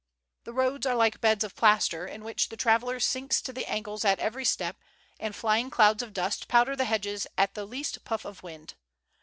The roads are like beds of plaster, in which the traveller sinks to the ankles at every step, and flying clouds of dust powder the hedges at the least puff of wind.